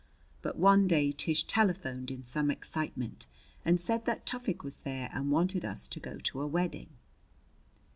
But one day Tish telephoned in some excitement and said that Tufik was there and wanted us to go to a wedding.